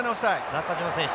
中島選手